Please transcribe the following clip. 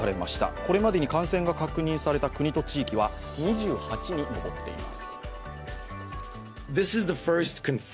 これまでに感染が確認された国と地域は２８に上っています。